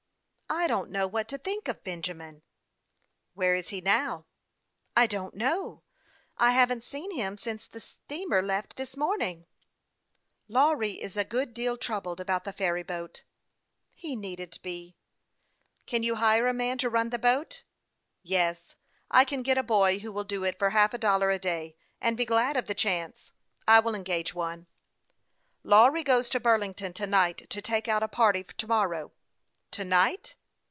" I don't know what to think of Benjamin." " Where is he now ?"" I don't know ; I haven't seen him since the steamer left this morning." 244 HASTE AND WASTE, OR " Lawry is a good deal troubled about the ferry boat." " He needn't be." " Can you hire a man to run the boat ?"" Yes ; I can get a boy who will do it for half a dollar a day, and be glad of the chance. I will engage one." " Lawry goes to Burlington to night to take out a party to morrow." " To night